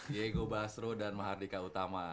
diego basro dan mahardika utama